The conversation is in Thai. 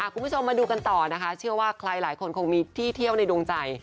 คุณผู้ชมมาดูกันต่อนะคะเชื่อว่าใครหลายคนคงมีที่เที่ยวในดวงใจ